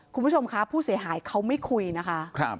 คุณผู้ชมคะผู้เสียหายเขาไม่คุยนะคะ